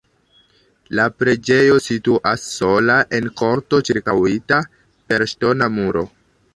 La preĝejo situas sola en korto ĉirkaŭita per ŝtona muro.